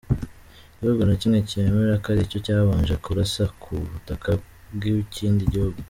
Nta gihugu na kimwe cyemera ko aricyo cyabanje kurasa ku butaka bw’ikindi gihugu.